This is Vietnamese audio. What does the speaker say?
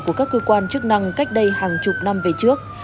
của các cơ quan chức năng cách đây hàng chục năm về trước